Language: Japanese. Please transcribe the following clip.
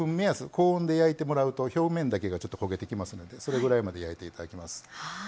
高温で焼いてもらうと表面だけがちょっと焦げてきますのでそれぐらいまで焼いていただきます。